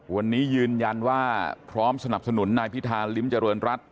วันนี้ยืนยันว่าพร้อมสนับสนุนนายพิธาลิ้มเจริญรัฐ